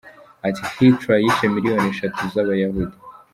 Ati “Hitler yishe miliyoni eshatu z’Abayahudi.